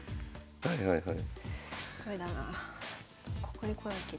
はいはいはい。